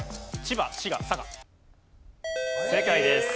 正解です。